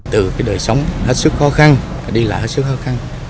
từ cái đời sống hết sức khó khăn đi lại hết sức khó khăn